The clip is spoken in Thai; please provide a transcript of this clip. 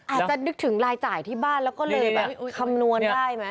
อาจจะนึกถึงรายจ่ายที่บ้านแล้วก็เลยแบบคำนวณได้ไหม